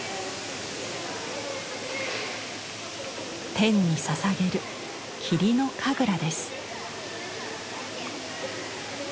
天にささげる霧の神楽です。